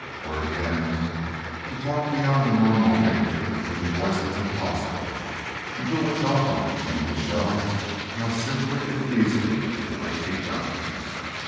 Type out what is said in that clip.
Or again, to talk beyond the normal range of the human voice was impossible, until the telephone came to show how simply and easily it might be done.